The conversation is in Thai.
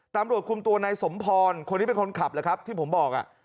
ตำรวจคุมตัวนายสมพรคนนี้เป็นคนขับแหละครับที่ผมบอก